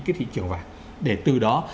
cái thị trường vàng để từ đó